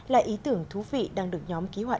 là ý tưởng thú vị đang được nhóm ký họa